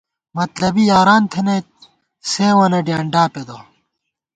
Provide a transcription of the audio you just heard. مطلبی یاران تھنَئیت، سیوں وَنہ ڈیانڈا پېدہ